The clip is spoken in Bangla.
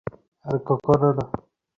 আর কখনোও না।